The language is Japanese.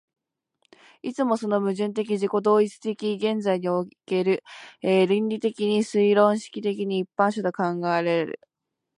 いつもその矛盾的自己同一的現在において論理的に推論式的一般者と考えられる。